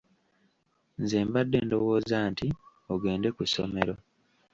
Nze mbadde ndowooza nti ogende ku ssomero.